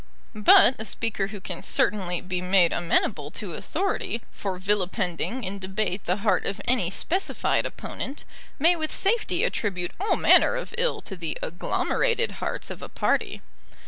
But a speaker who can certainly be made amenable to authority for vilipending in debate the heart of any specified opponent, may with safety attribute all manner of ill to the agglomerated hearts of a party.